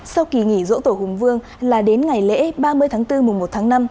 sau kỳ nghỉ dỗ tổ hùng vương là đến ngày lễ ba mươi tháng bốn mùa một tháng năm